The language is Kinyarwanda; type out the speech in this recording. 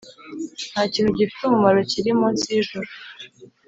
Ntakintu gifite umumaro kiri munsi y’ijuru